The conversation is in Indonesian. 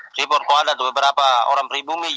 freeport kok ada beberapa orang pribumi